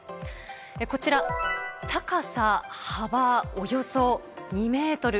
こちら、高さ、幅およそ２メートル。